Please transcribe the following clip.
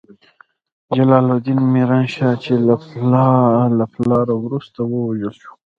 جلال الدین میران شاه، چې له پلار وروسته ووژل شو.